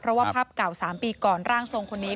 เพราะว่าภาพเก่า๓ปีก่อนร่างทรงคนนี้